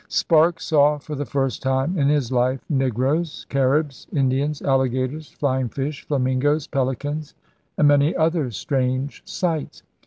Sparke saw for the first time in his life negroes, Caribs, Indians, alHgators, flying fish, flamingoes, peHcans, and many other strange sights.